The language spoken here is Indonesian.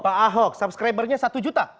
pak ahok subscribernya satu juta